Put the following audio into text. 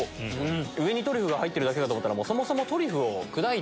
上にトリュフだけかと思ったらそもそもトリュフを砕いて。